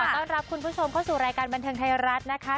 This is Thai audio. ต้อนรับคุณผู้ชมเข้าสู่รายการบันเทิงไทยรัฐนะคะ